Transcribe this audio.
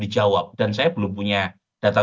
dijawab dan saya belum punya data